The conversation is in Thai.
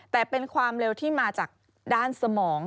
แต่เป็นความเร็วที่มาจากด้านสมอง